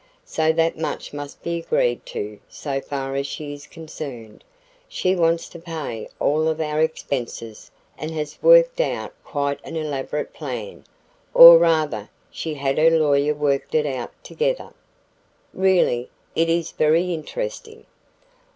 So that much must be agreed to so far as she is concerned. She wants to pay all of our expenses and has worked out quite an elaborate plan; or rather she and her lawyer worked it out together. Really, it is very interesting."